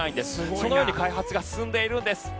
そのように開発が進んでいるんです。